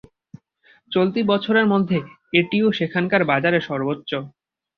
চলতি বছরের মধ্যে এটিও সেখানকার বাজারে সর্বোচ্চ।